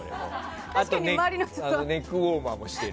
あと、ネックウォーマーもしてる。